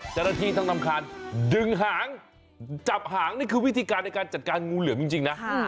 เจ้าหน้าที่ต้องรำคาญดึงหางจับหางนี่คือวิธีการในการจัดการงูเหลือมจริงนะ